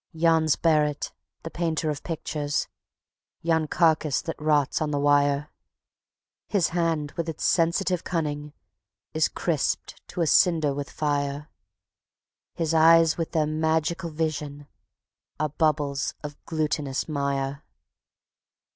Yon's Barret, the painter of pictures, yon carcass that rots on the wire; His hand with its sensitive cunning is crisped to a cinder with fire; His eyes with their magical vision are bubbles of glutinous mire.